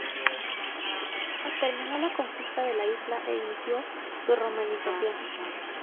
Terminó la conquista de la isla e inició su romanización.